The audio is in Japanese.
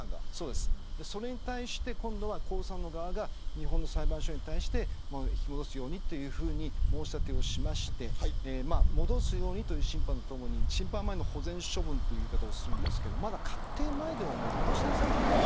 それに対して今度は江さんの側が日本の裁判所に対して引き戻すようにというふうに申し立てをしまして戻すようにという審判とともに審判前の保全処分という言い方をしますが確定前でも戻しなさいという。